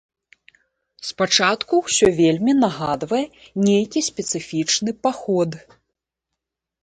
Спачатку ўсё вельмі нагадвае нейкі спецыфічны паход.